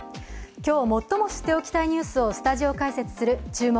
今日、最も知っておきたいニュースをスタジオ解説する「注目！